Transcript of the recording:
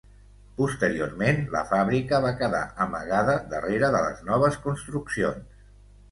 Posteriorment la fàbrica va quedar amagada darrere de les noves construccions.